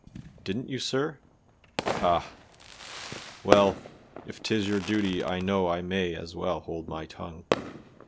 "Didn't you, sir? Ah! well, if 'tis your duty I know I may as well hold my tongue.